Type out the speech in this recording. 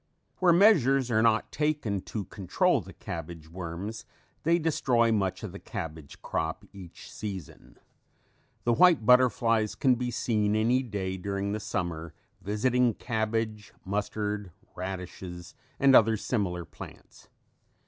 Where measures are not taken to control the cabbage worms they destroy much of the cabbage crop each season. The white butterflies can be seen any day during the summer visiting cabbage, mustard, radishes and other similar plants.